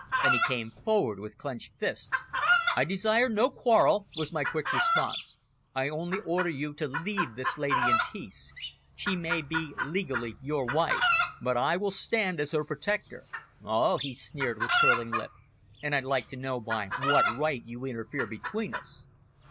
and he came forward with clenched fists. "I desire no quarrel," was my quick response. "I only order you to leave this lady in peace. She may be legally your wife, but I will stand as her protector." "Oh!" he sneered, with curling lip. "And I'd like to know by what right you interfere between us?"